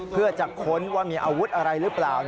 เพื่อจะค้นว่ามีอาวุธอะไรหรือเปล่า